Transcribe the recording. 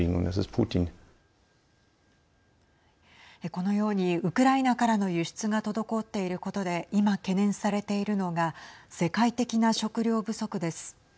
このようにウクライナからの輸出が滞っていることで今、懸念されているのが世界的な食糧不足です。